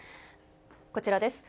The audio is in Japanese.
こちらです。